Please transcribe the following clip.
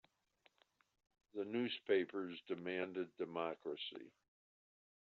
The newspapers demanded democracy.